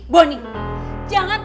kakak gue mau kembali